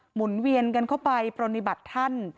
หุ่นเวียนกันเข้าไปปฏิบัติท่าน